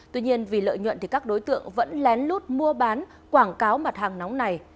tuy nhiên vì lợi nhuận thì các đối tượng vẫn lén lút mua bán quảng cáo mặt hàng nóng này